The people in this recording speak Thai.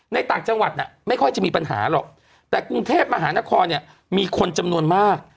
ต่างจังหวัดน่ะไม่ค่อยจะมีปัญหาหรอกแต่กรุงเทพมหานครเนี่ยมีคนจำนวนมาก